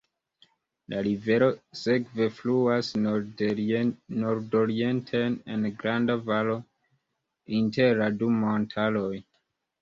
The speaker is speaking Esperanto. La rivero sekve fluas nordorienten, en granda valo inter la du montaroj.